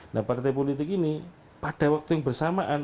nah partai politik ini pada waktu yang bersamaan